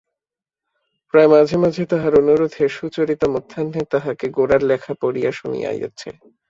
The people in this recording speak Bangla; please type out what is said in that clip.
প্রায় মাঝে মাঝে তাঁহার অনুরোধে সুচরিতা মধ্যাহ্নে তাঁহাকে গোরার লেখা পড়িয়া শুনাইয়াছে।